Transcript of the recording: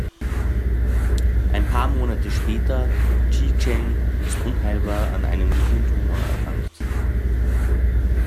Ein paar Monate später: Yi Che ist unheilbar an einem Gehirntumor erkrankt.